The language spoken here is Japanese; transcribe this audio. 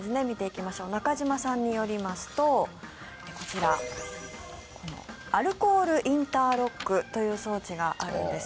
中島さんによりますとアルコールインターロックという装置があるんです。